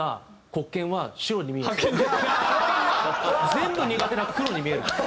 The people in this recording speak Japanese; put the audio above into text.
全部苦手な黒に見えるんです。